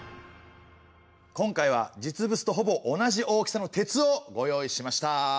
今回は実物とほぼ同じ大きさの鉄をご用意しました。